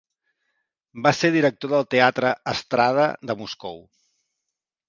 Va ser director del teatre "Estrada" de Moscou.